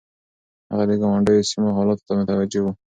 هغه د ګاونډيو سيمو حالاتو ته متوجه و.